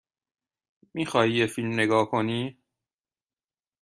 می خواهی یک فیلم نگاه کنی؟